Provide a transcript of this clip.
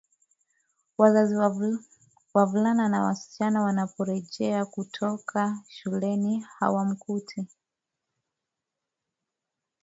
wazazi Wavulana na wasichana wanaporejea kutoka shuleni hawamkuti